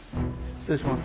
失礼します